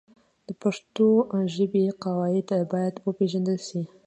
د پښتو ژبې قواعد باید وپېژندل سي.